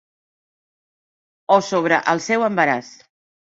O sobre el seu embaràs.